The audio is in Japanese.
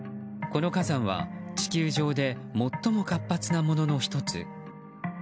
この火山は地球上で最も活発なものの１つ。